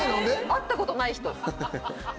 会ったことない人。